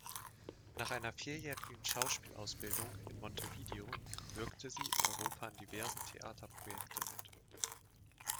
Nach einer vierjährigen Schauspielausbildung in Montevideo wirkte sie in Europa an diversen Theaterprojekten mit.